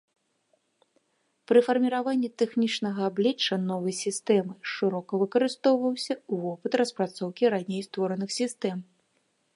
Пры фарміраванні тэхнічнага аблічча новай сістэмы шырока выкарыстоўваўся вопыт распрацоўкі раней створаных сістэм.